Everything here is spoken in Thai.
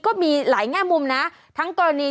วันนี้จะเป็นวันนี้